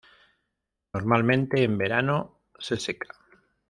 Normalmente en verano se seca.